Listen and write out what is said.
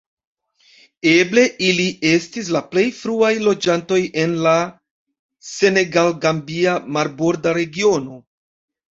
Eble ili estis la plej fruaj loĝantoj en la senegal-gambia marborda regiono.